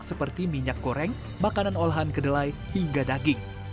seperti minyak goreng makanan olahan kedelai hingga daging